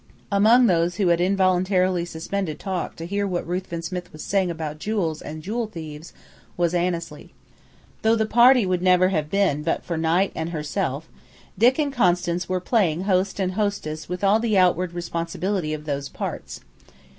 Among those who had involuntarily suspended talk to hear what Ruthven Smith was saying about jewels and jewel thieves was Annesley. Though the party would never have been but for Knight and herself, Dick and Constance were playing host and hostess with all the outward responsibility of those parts.